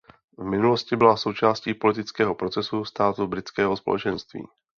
V minulosti byla součástí politického procesu států Britského společenství.